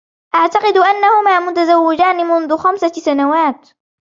أعتقد أنهما متزوجان منذ خمسة سنوات.